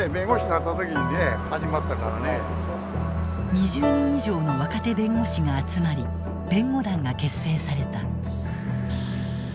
２０人以上の若手弁護士が集まり弁護団が結成された。